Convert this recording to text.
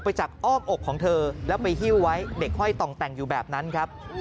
จากอ้อมอกของเธอแล้วไปหิ้วไว้เด็กห้อยต่องแต่งอยู่แบบนั้นครับ